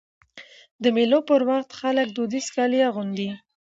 د مېلو پر وخت خلک دودیز کالي اغوندي.